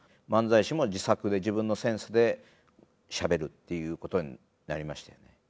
漫才師も自作で自分のセンスでしゃべるっていうことになりましたよね。